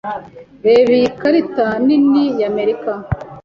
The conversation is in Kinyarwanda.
Reba iyi karita nini ya Amerika.